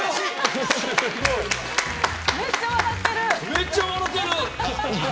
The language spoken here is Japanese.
めっちゃ笑ってる。